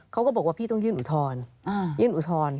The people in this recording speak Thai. เขาก็บอกว่าพี่ต้องยื่นอุทธรณ์ยื่นอุทธรณ์